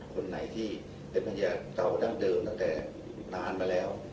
คนไหนที่เป็นภรรยาเก่าดั้งเดิมตั้งแต่นานมาแล้ว